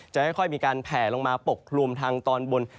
จะค่อยมีการแผลลงมาปกคลุมทางตอนบน